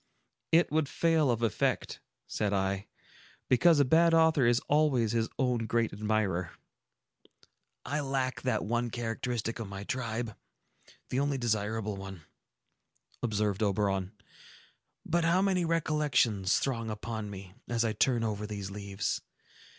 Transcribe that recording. "It would fail of effect," said I, "because a bad author is always his own great admirer." "I lack that one characteristic of my tribe,—the only desirable one," observed Oberon. "But how many recollections throng upon me, as I turn over these leaves!